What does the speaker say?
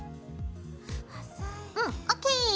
うんＯＫ。